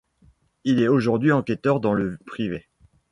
Il est aujourd'hui enquêteur dans le privé.